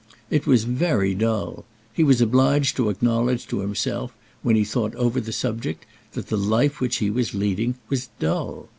It was very dull. He was obliged to acknowledge to himself, when he thought over the subject, that the life which he was leading was dull.